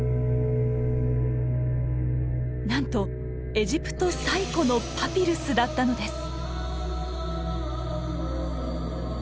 なんとエジプト最古のパピルスだったのです。